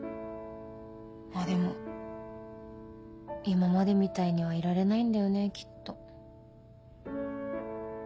まぁでも今までみたいにはいられないんだよねきっと。